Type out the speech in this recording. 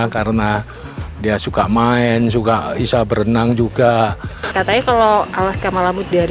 karena dia suka main suka bisa berenang juga katanya kalau alaska malam yut dari